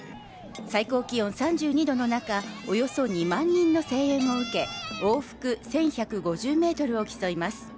最高気温３２度の中、およそ２万人の声援を受け、往復１１５０ｍを競います。